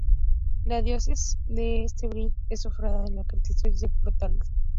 La Diócesis de Great Falls-Billings es sufragánea de la Arquidiócesis de Portland.